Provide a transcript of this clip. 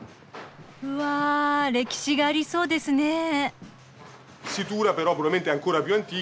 うわ歴史がありそうですね。